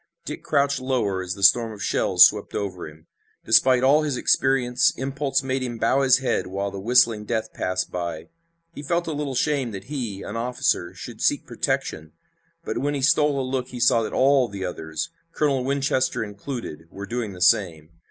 Dick crouched lower as the storm of shells swept over him. Despite all his experience impulse made him bow his head while the whistling death passed by. He felt a little shame that he, an officer, should seek protection, but when he stole a look he saw that all the others, Colonel Winchester included, were doing the same.